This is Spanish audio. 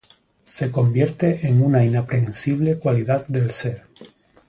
se convierte en una inaprensible cualidad del ser